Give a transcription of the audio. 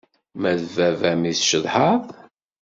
Ma d baba-m i tcedhaḍ?